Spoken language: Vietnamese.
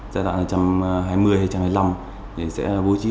giai đoạn là một trăm hai mươi hay một trăm hai mươi năm